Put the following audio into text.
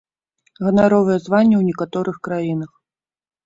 Ганаровае званне ў некаторых краінах.